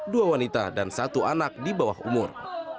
dua wanita dan satu anak di bawah umur